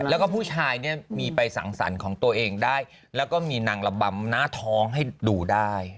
แล้วก็ผู้ชายเนี่ยมีไปสังสรรค์ของตัวเองได้แล้วก็มีนางระบำหน้าท้องให้ดูได้